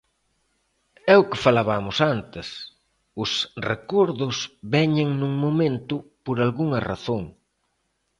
É o que falabamos antes: os recordos veñen nun momento por algunha razón.